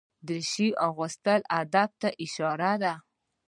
دریشي اغوستل ادب ته اشاره ده.